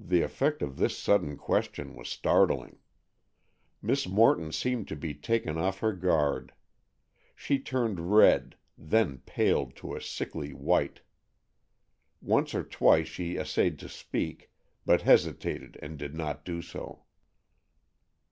The effect of this sudden question was startling. Miss Morton seemed to be taken off her guard. She turned red, then paled to a sickly white. Once or twice she essayed to speak, but hesitated and did not do so.